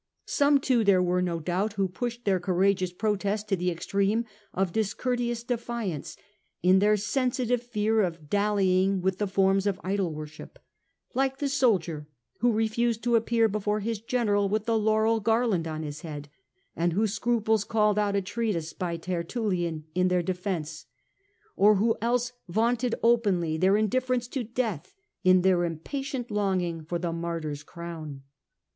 Some too there were, no doubt, who pushed their courageous protest to the extreme of discourteous defiance, in their sensitive fear of dallying with the forms of idol worship, like the soldier who refused to appear before his general with the laurel garland on his head, and whose scruples called out a treatise of Tertullian in their defence ; or who else vaunted openly their indifference to death in their impatient longing for the martyr's crown.